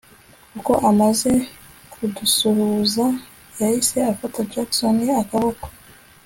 kuko amaze kudusuhuza yahise afata jackson akaboko